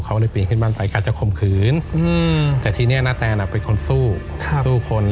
เขาเลยปีนขึ้นบ้านไปกะจะข่มขืนแต่ทีนี้นาแตนเป็นคนสู้สู้คน